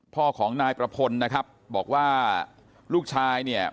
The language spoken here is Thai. พ่อของนายประพลนะครับบอกว่าลูกชายเนี่ย